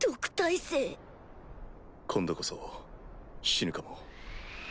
今度こそ死ぬかも。